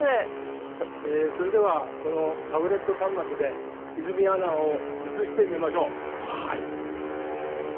それではこのタブレット端末で泉アナを映してみましょう。